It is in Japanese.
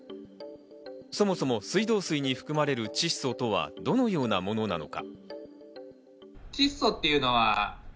そもそも水道水に含まれる窒素とは、どのようなものなのか。